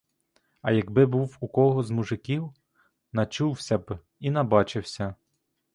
А якби був у кого з мужиків — начувся б, і набачився.